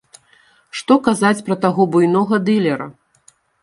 Што казаць пра таго буйнога дылера!